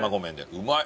うまい。